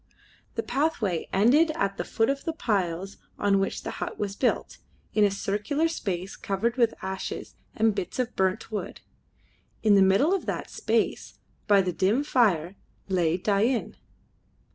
The pathway ended at the foot of the piles on which the hut was built, in a circular space covered with ashes and bits of burnt wood. In the middle of that space, by the dim fire, lay Dain.